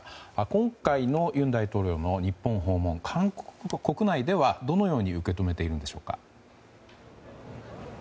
今回の尹大統領の日本訪問韓国国内ではどのように受け止めているのでしょうか。